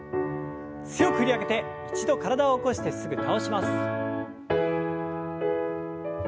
強く振り上げて一度体を起こしてすぐ倒します。